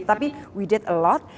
tapi kita banyak